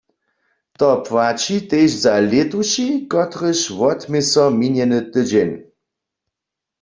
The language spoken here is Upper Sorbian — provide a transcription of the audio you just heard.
To płaći tež za lětuši, kotryž wotmě so minjeny tydźeń.